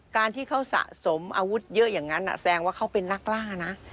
การที่เขาสะสมอาวุธเยอะอย่างนั้นแสดงว่าเขาเป็นนักล่านะ